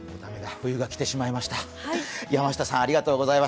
冬が来てしまいました。